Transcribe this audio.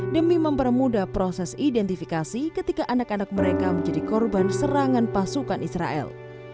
demi mempermudah proses identifikasi ketika anak anak mereka menjadi korban serangan pasukan israel